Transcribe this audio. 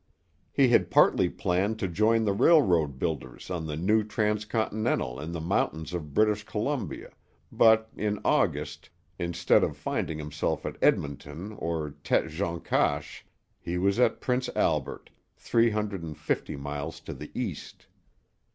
He had partly planned to join the railroad builders on the new trans continental in the mountains of British Columbia, but in August, instead of finding himself at Edmonton or Tête Jaune Cache, he was at Prince Albert, three hundred and fifty miles to the east.